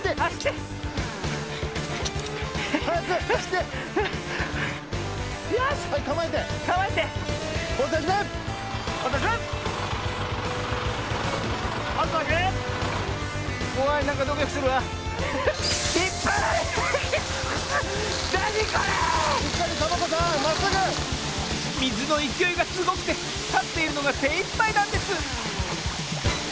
みずのいきおいがすごくてたっているのがせいいっぱいなんです。